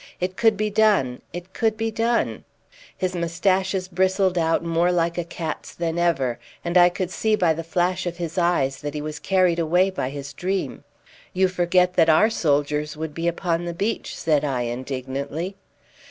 It could be done! it could be done!" His moustaches bristled out more like a cat's than ever, and I could see by the flash of his eyes that he was carried away by his dream. "You forget that our soldiers would be upon the beach," said I indignantly.